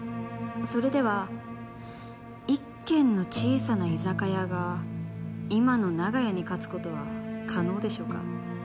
それでは一軒の小さな居酒屋が今の長屋に勝つ事は可能でしょうか？